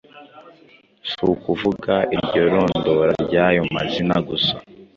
si ukuvuga iryo rondora ry'ayo mazina gusa.